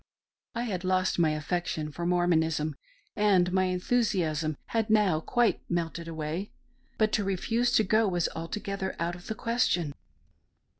I had lost my affection for Mor monism, and my enthusiasm had now quite melted away. But to refuse to go was altogether out of the question.